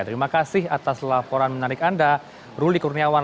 terima kasih atas laporan menarik anda ruli kurniawan